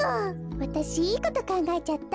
わたしいいことかんがえちゃった。